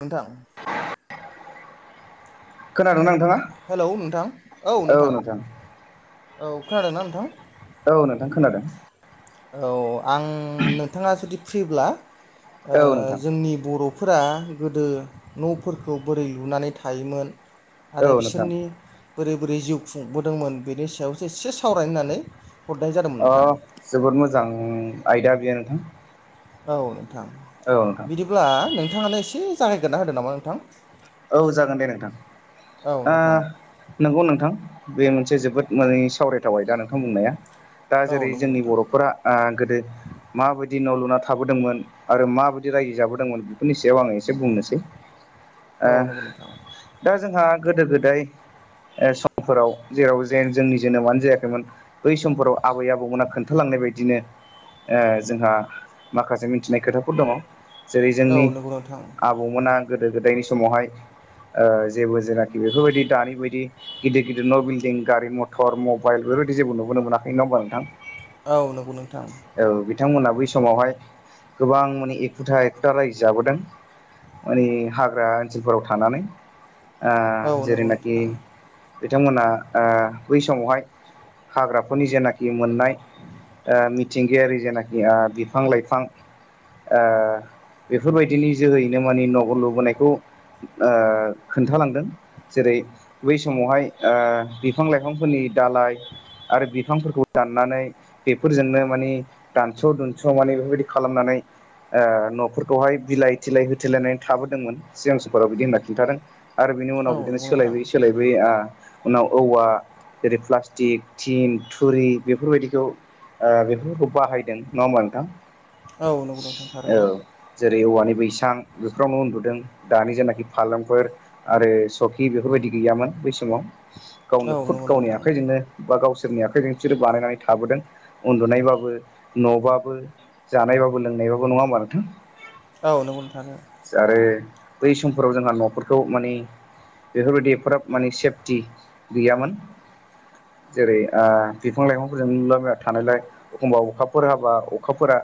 नोंथां खोनादोंना नोंथाङा हेल' नोंथां औ नोंथां औ खोनादोंना नोंथां? औ नोंथां खोनादों। औ आं नोंथाङा जुदि फ्रिब्ला ओ औ नोंथां जोंनि बर' न'फोरा गोदो न'फोरखौ बोरै लुनानै थायोमोन औ आरो नोंथां बिसोरनि बोरै बोरै जिउ खुंबोदोंमोन बेनि सायावसो एसे सावरायनानै अ जोबोद मोजां आयदा बेयो नोंथां औ नोंथां औ नोंथां बिदिब्ला नोंथाङानो एसे जागायगोरना होदो नामा नोंथां? औ जागोन दे नोंथां औ ओ नोंथां नंगौ नोंथां बे मोनसे जोबोद माने सावरायथाव आदा नोंथां बुंनाया दा औ जेरै नंगौ जोंनि नोंथां बर'फोरा ओ गोदो माबायदि दि न' लुना थाबोदोंमोन आरो माबायदि रायजो जाबोदोंमोन बेफोरनि सायाव आं एसे बुंनोसै औ ओ नंगौ नोंथां दा जोंहा गोदो गोदाय समफोराव जेराव जे जोंनि जोनोमानो जायाखैमोन बै समफोराव आबै आबौमोना खोन्थालां नायबायदिनो ओ जोंहा माखासे मिथिनाय खोथाफोर दङ जेरै औ जोंनि नंगौ नोंथां आबौमोना गोदो गोदायनि समावहाय ओ जेबो जेनाखि बेफोरबायदि दानि बायदि गिदिर गिदिर न बिल्डिं गारि मथर मबाइल बेफोरबायदि जेबो नुबोनो मोनाखै नङा होनबा नोंथां औ नंगौ नोंथां औ बिथांमोना बै समावहाय गोबां माने एखुथा एखुथा रायजो जाबोदों माने हाग्रा ओनसोलफोराव थानानै ओ औ नंगौ जेरैनाखि नोंथां बिथांमोना ओ बै समावहाय हाग्राफोरनि जेनाखि मोननाय ओ मिथिंगायारि जेनाखि ओ बिफां लाइफां ओ बेफोरबायदिनि जोहैनो माने नबो लुबोनायखौ ओ खोन्थालांदों जेरै बै समावहाय ओ बिफां लाइफांफोर नि दालाय आरो बिफांफोरखौ दाननानै बेफोरजोंनो माने दानस' दुनस' माने बेफोरबायदि खालामनानै ओ न'फोरखौहाय बिलाइ थिलाय होथेलायनानै थाबोदोंमोन। सिगां समफोराव बिदि होनना खिन्थादों आरो बिनि औ उनाव बिदिनो नंगौ नोंथां सोलायबोयै सोलायबोयै आ उनाव औवा, जेरै, प्लास्टिक, थिन, थुरि बेफोरबायदिखौ ओ बेफोरखौ बाहायदों नङा होमबा नोंथां? औ नंगौ नोंथां औ थारैनो जेरै औवानि बैसां बेफोरावनो उन्दुदों दानि जेनाखि फालेंफोर आरो सौखि बेफोरबायदि गैयामोन बै समाव। औ गावनो खुद नंगौ गावनि नोंथां आखाइजोंनो बा गावसोर सोरनि आखाइजों बिसोरो बानायनानै थाबोदों उन्दुनायबाबो न'बाबो जानायबाबो लोंनाय बाबो नङा होनबा नोंथां? औ नोंगौ नोंथा। आरो बै समफोराव जोंहा न'फोरखौ माने बेफोरबायदि एफाग्राब माने सेफटि गैयामोन। जेरै ओ बिफां लाइफांफोरजों लुला बायना थानायलाय एखमबा अखाफोर हाबा अखाफोरा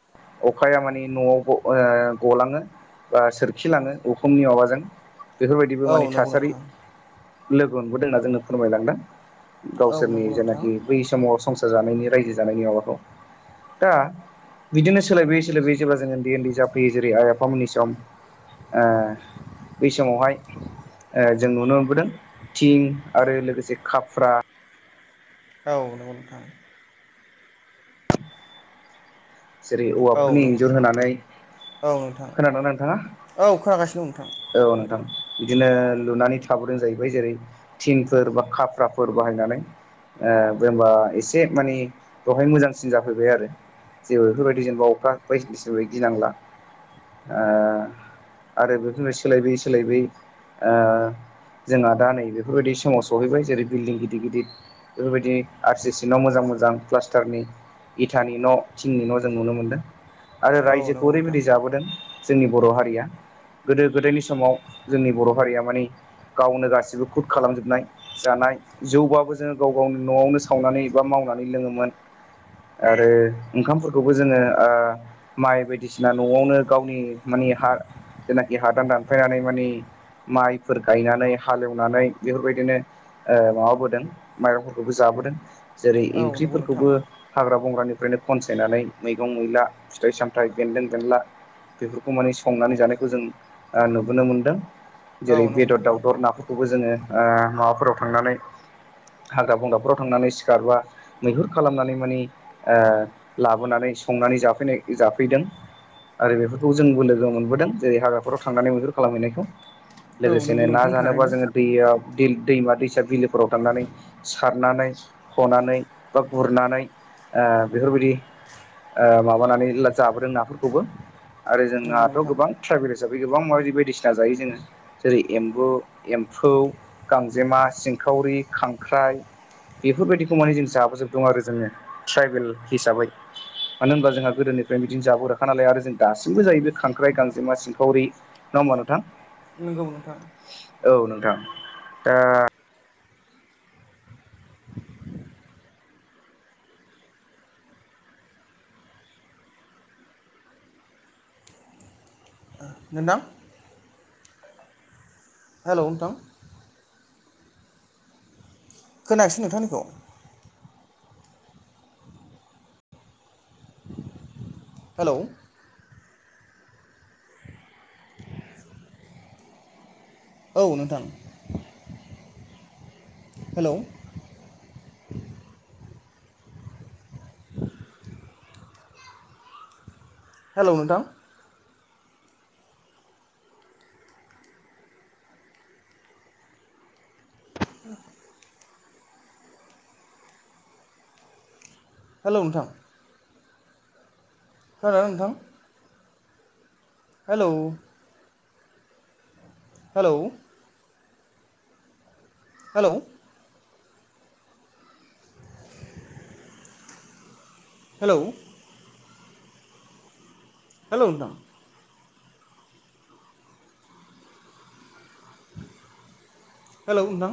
अखाया मानि न'आवबो ओ गलाङो बा सोरखिलाङो। उखुमनि माबाजों बेफोरबायदिबो औ मानि नंगौ थासारि नोंथां लोगो मोनबोदों होनना जोङो फोरमायलांदों औ गावसोरनि नंगौ नोंथां जेनाखि बै समाव संसार जानायनि रायजो जानायनि माबाखौ दा बिदिनो सोलायबोयै सोलायबोयै जेब्ला जों ओन्दै ओन्दै जाफैयो जेरै आइ आफामोननि सम ओ बै समावहाय ओ जों नुनो मोनबोदों थिं आरो लोगोसे खाफ्रा औ नंगौ नोंथां। जेरै औ औवाफोरनि नंगौ इन्जुर होनानै औ नोंथां खोनादों ना नोंथाङा? औ खोनागासिनो दं औ नोंथां। बिदिनो लुनानै थाबोदों जाहैबाय जेरै थिंफोर बा खाफ्राफोर बाहायनानै। ओ बे होमबा एसे माने बेहाय मोजांसिन जाफैबाय आरो ‌ जेबो बेफोरबायदि जेनबा अखा बायदिसिनानिफ्राय गिनांला ओ आरो बेफोरनो सोलायबोयै सोलायबोयै ओ जोंहा दा नै बेफोरबायदि समाव सहैबाय जेरै बिल्डिं गिदिर गिदिर बेफोरबायदि आरसि सि न' मोजां मोजां प्लास्टारनि इथानि न' थिंनि न' जों नुनो मोनदों आरो रायजोखौ नोंथां ओरैबायदि जाबोदों जोंनि बर हारिया गोदो गोदायनि समाव जोंनि बर' हारिया मानि गावनो गासिबो खुद खालामजोबनाय जानाय जौबाबो जोङो गाव गावनि न'आवनो सावनानै एबा माव नानै लोङोमोन आरो ओंखामफोरखौबो जोङो ओ माइ बायदिसिना न'आवनो गावनि मानि हा जेनाखि हादान दानफायनानै मानि माइफोर गायनानै हालेवनानै बेफोरबायदिनो ओ माबाबोदों माइरंफोरखौबो जाबो बोदों जेरै औ नंगौ नोंथां इंख्रिफोरखौबो हाग्रा बंग्रानि खनसायनानै मैगं मैला फिथाइ सामथायाइ बेन्दों बेनला बेफोरखौ माने संनानै जानायखौ जों ओ नुबोनो मोनदों। औ नंगौ नोंथां औ जेरै नंगौ बेदर नोंथां दाउदर नाफोरखौबो जोङो ओ माबाफोराव थांनानै हाग्रा बंग्राफोराव थांनानै सिखार बा मैहुर खालामनानै मानि ओ लाबोनानै संनानै जाफैनाय जाफैदों। आरो बेफोरखौ जोंबो लोगो मोनबोदों जेरै हाग्राफोराव थांनानै मैहुर खालामहैनायखौ। औ लोगोसेनो नंगौ ना नोंथां जानोबा थारैनो जोङो दैयाव दै दैमा दैसा बिलोफोराव थांनानै सारनानै हनानै बा गुरनानै ओ बेफोरबायदि ओ माबानानै जाबोदों नाफोरखौबो आरो नंगौ जोंहाथ' नोंथां गोबां ट्राइबेल हिसाबै गोबां माबायदि बायदिसिना जायो जोङो जेरै एम्बु एम्फौ गांजेमा सिं सिंखावरि खांख्राइ बेफोरबायदिखौ माने जों जाबोजोबदों आरो जोङो ट्राइबेल हिसाबै [inaudible] मानो होनबा जोंहा गोदोनिफ्राय बिदिनो जाबो ग्राखा नालाय आरो जों दासिमबो जायो बे खांख्राइ गांजेमा सिंखावि नङा होम नोंथां नोंगौ नोंथां औ नोंथां दा नोंथां हेलौ नोंथां खोनायाखसै नोंथांनिखौ हेलौ औ नोंथां हेलौ हेलौ नोंथां हेलौ नोंथां खोनादोंना नोंथां hello hello hello hello hello नोंथां हेलौ नोंथां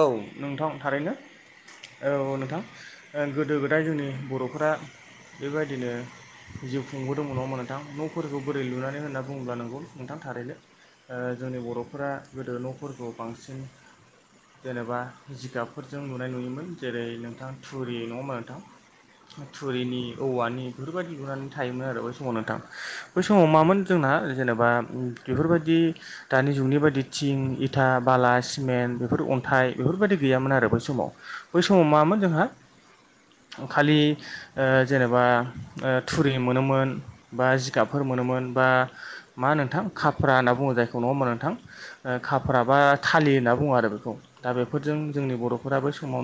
औ नोंथां थारैनो औ नोंथां ओ गोदो गोदाय जोंनि बर'फोरा बेबायदिनो जिउ खुंबोदोंमोन नडा होनबा नोंथां न'फोरखौ बोरै लुनानै होनना बुंङोबा नंगौ नोंथां थारैनो ओ जोंनि बर'फोरा गोदो न'फोरखौ बांसिन जेनेबा जिगाबफोरजों लुनाय नुयोमोन जेरै नोंथां थुरि नडा होनमा नोंथां थुरिनि औवानि बेफोरबायदि लुनानै थायोमोन आरो बै समाव नोंथां बै समाव मामोन जों जेनेबा बेफोरबायदि दानि जुगनि बायदि थिं इथा बाला सिमेन्ट बेफोर अन्थाइ बेफोरबायदि गैयामोन आरो बै समाव बै समाव मामोन जोंहा खालि ओ जेनेबा ओ थुरि मोनोमोन बा जिगाबफोर मोन मोनोमोन बा मा नोंथां खाफ्रा होनना बुङो जायखौ नडा होनबा नोंथां खाफ्रा बा फालि होनना बुङो आरो बेखौ दा बेफोरजों जोंनि बर'फोरा बै समावनो